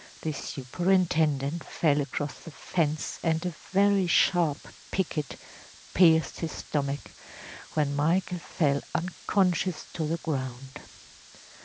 The superintendent fell across the fence and a very sharp picket pierced his stomach, when Michael fell unconscious to the ground.